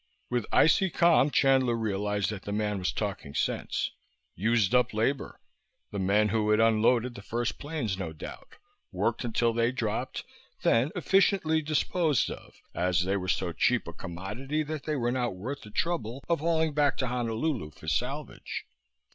With icy calm Chandler realized that the man was talking sense. Used up labor: the men who had unloaded the first planes, no doubt worked until they dropped, then efficiently disposed of, as they were so cheap a commodity that they were not worth the trouble of hauling back to Honolulu for salvage.